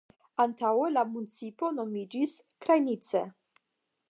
Antaŭe la municipo nomiĝis "Krajnice".